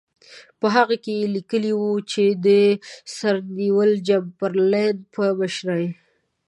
په هغه کې یې لیکلي وو چې د سر نیویل چمبرلین په مشرۍ.